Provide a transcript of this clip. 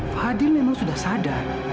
fadil memang sudah sadar